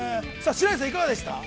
白石さん、いかがでした？